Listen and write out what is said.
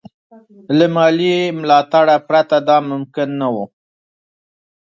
له مالي ملاتړه پرته دا ممکن نه وو.